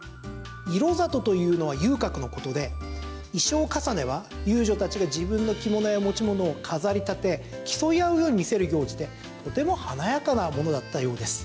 色里というのは遊郭のことで衣装かさねは遊女たちが自分の着物や持ち物を飾り立て競い合うように見せる行事でとても華やかなものだったようです。